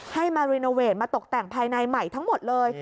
ให้มารีโนเวทมาตกแต่งภายในใหม่ทั้งหมดเลย